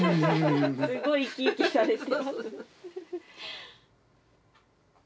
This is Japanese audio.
すごい生き生きされて。